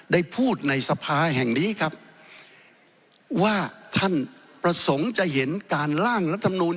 ได้พูดในสภาแห่งนี้ครับว่าท่านประสงค์จะเห็นการล่างรัฐมนูล